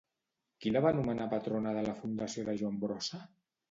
Qui la va nomenar patrona de la Fundació de Joan Brossa?